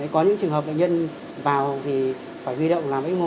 có những trường hợp bệnh nhân vào thì phải duy động làm x mo